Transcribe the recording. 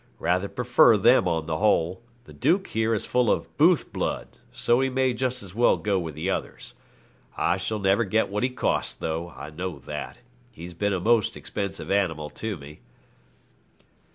Rather prefer them on the whole. The "Duke" here is full of Booth blood, so he may just as well go with the others. I shall never get what he cost, though; I know that. He's been a most expensive animal to me.'